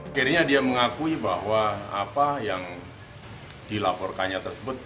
akhirnya dia mengakui bahwa apa yang dilaporkannya tersebut